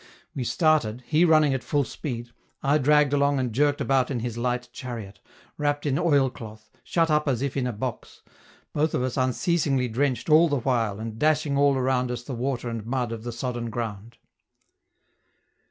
We started, he running at full speed, I dragged along and jerked about in his light chariot, wrapped in oilcloth, shut up as if in a box both of us unceasingly drenched all the while, and dashing all around us the water and mud of the sodden ground.